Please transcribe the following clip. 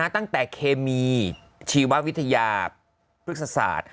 ตั้งแต่เคมีชีววิทยาภึกษศาสตร์